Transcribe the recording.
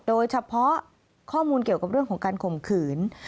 โดยเฉพาะข้อมูลเกี่ยวกับเรื่องของการข่มขืน